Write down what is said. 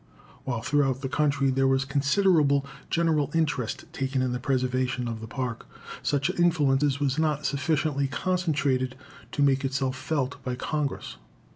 While throughout the country there was considerable general interest taken in the preservation of the Park, such influence was not sufficiently concentrated to make itself felt by Congress.